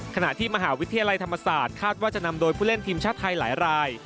ขณะที่มหาวิทยาลัยธรรมศาสตร์คาดว่าจะนำโดยผู้เล่นทีมชาติไทยหลายราย